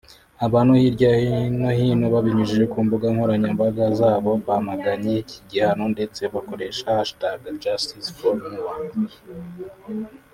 Abantu hirya no hino babinyujije ku mbuga nloranyambaga zabo bamaganye iki gihano ndetse bakoresha hashtag #JusticeForNoura